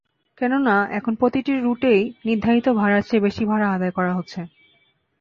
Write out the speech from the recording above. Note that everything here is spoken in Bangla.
কেননা, এখন প্রতিটি রুটেই নির্ধারিত ভাড়ার চেয়ে বেশি ভাড়া আদায় করা হচ্ছে।